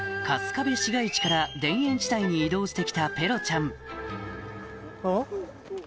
春日部市街地から田園地帯に移動して来たペロちゃんおっ？